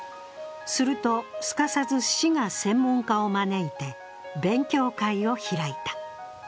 すると、すかさず市が専門家を招いて勉強会を開いた。